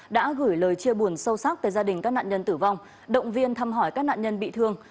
đã gửi lời chia buồn sâu sắc tới gia đình các nạn nhân tử vong động viên thăm hỏi các nạn nhân bị thương